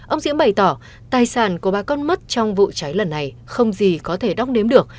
ông diễm bày tỏ tài sản của bà con mất trong vụ cháy lần này không gì có thể đoc đếm được